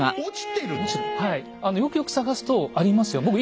落ちてるの⁉よくよく探すとありますよ。